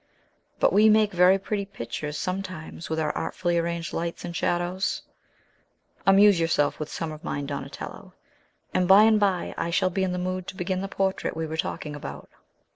But we make very pretty pictures sometimes with our artfully arranged lights and shadows. Amuse yourself with some of mine, Donatello, and by and by I shall be in the mood to begin the portrait we were talking about."